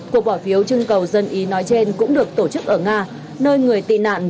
cuộc bỏ phiếu trưng cầu dân ý nói trên cũng được tổ chức ở nga